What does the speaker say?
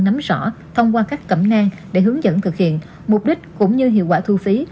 nắm rõ thông qua các cẩm nang để hướng dẫn thực hiện mục đích cũng như hiệu quả thu phí